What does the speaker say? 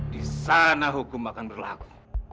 di sana hukum akan berlaku